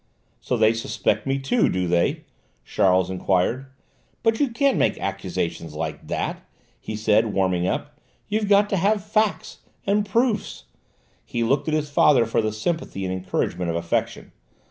"So they suspect me too, do they?" Charles enquired. "But you can't make accusations like that," he said, warming up: "you've got to have facts, and proofs." He looked at his father for the sympathy and encouragement of affection.